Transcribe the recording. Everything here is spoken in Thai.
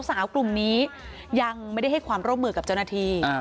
สาวกลุ่มนี้ยังไม่ได้ให้ความร่วมมือกับเจ้าหน้าที่